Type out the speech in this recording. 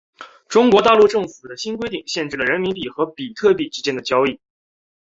中国大陆政府的新规定限制了人民币和比特币之间的交易。